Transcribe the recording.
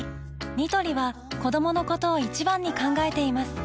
ニトリは子どものことを一番に考えています